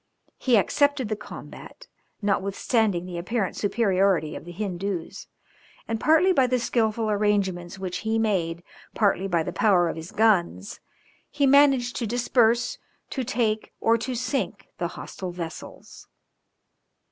He accepted the combat, notwithstanding the apparent superiority of the Hindoos, and partly by the skilful arrangements which he made, partly by the power of his guns, he managed to disperse, to take, or to sink the hostile vessels.